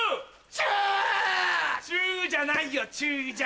「チュ」じゃないよ「チュ」じゃ。